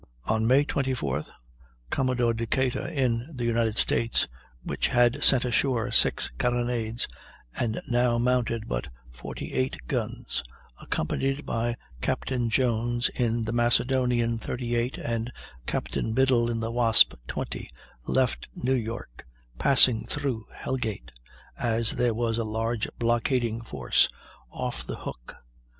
On May 24th Commodore Decatur in the United States, which had sent ashore six carronades, and now mounted but 48 guns, accompanied by Captain Jones in the Macedonian, 38, and Captain Biddle in the Wasp, 20, left New York, passing through Hell Gate, as there was a large blockading force off the Hook.